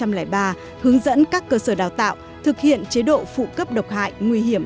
hướng dẫn các cơ sở đào tạo thực hiện chế độ phụ cấp độc hại nguy hiểm